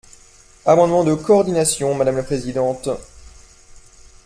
Amendement de coordination, madame la présidente.